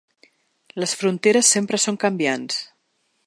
Les fronteres sempre són canviants.